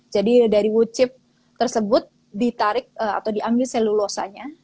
jadi dari wood chip tersebut ditarik atau diambil selulosanya